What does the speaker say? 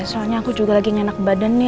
soalnya aku juga lagi ngenak badan nih